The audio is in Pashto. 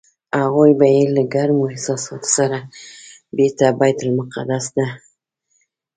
هغوی به یې له ګرمو احساساتو سره بېرته بیت المقدس ته لېږل.